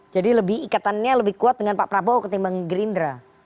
jadi lebih ikatannya lebih kuat dengan pak prabowo ketimbang gerindra